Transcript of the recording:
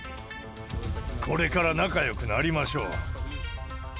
これから仲よくなりましょう。